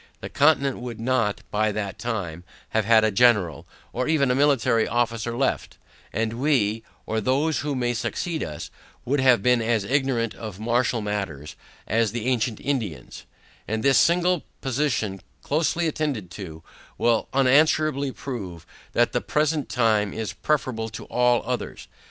The Continent, would not, by that time, have had a General, or even a military officer left; and we, or those who may succeed us, would have been as ignorant of martial matters as the ancient Indians: And this single position, closely attended to, will unanswerably prove, that the present time is preferable to all others.